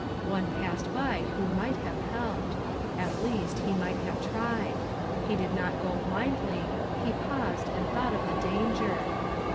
One passed by who might have helped. At least, he might have tried. He did not go blindly; he paused and thought of the danger.